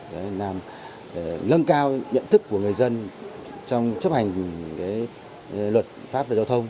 để làm để nâng cao nhận thức của người dân trong chấp hành cái luật pháp về giao thông